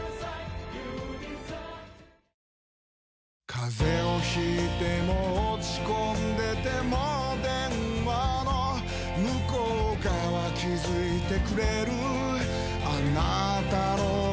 風邪を引いても落ち込んでても電話の向こう側気付いてくれるあなたの声